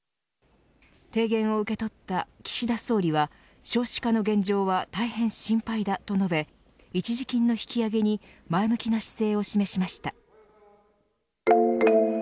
提言を受け取った岸田総理は少子化の現状は大変心配だと述べ一時金の引き上げに前向きな姿勢を示しました。